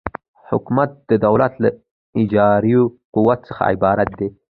حکومت د دولت له اجرایوي قوې څخه عبارت دی.